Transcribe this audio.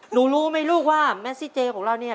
หนูรู้มั้ยลูกว่าเมซี่เจของเราเนี่ย